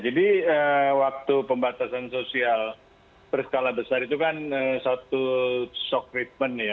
jadi waktu pembatasan sosial berskala besar itu kan satu shock treatment ya